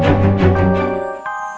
yang itu yang pake topi merah